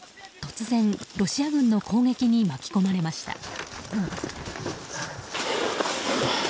突然、ロシア軍の攻撃に巻き込まれました。